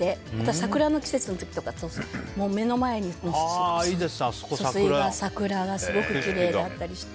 桜の季節の時とか目の前で咲いている桜がすごくきれいだったりして。